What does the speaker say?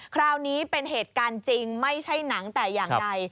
คราวนี้เป็นเหตุการณ์จริงไม่ใช่หนังแต่อย่างใด